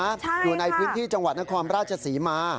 อยู่ในพื้นที่จังหวัดนครราชศรีมา